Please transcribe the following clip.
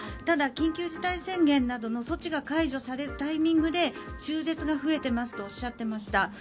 ただ、緊急事態宣言などの措置が解除されるタイミングで中絶が増えていますとおっしゃっていました。